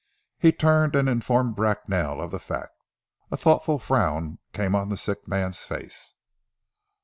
He turned and informed Bracknell of the fact. A thoughtful frown came on the sick man's face.